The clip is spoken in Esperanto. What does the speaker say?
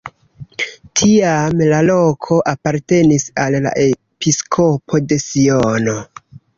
Tiam la loko apartenis al la episkopo de Siono.